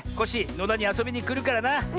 野田にあそびにくるからな。